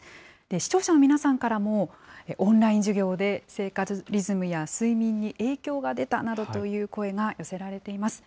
視聴者の皆さんからも、オンライン授業で生活リズムや睡眠に影響が出たなどという声が寄せられています。